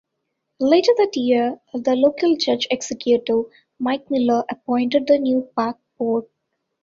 Later that year the local judge executive Mike Miller appointed the new park board.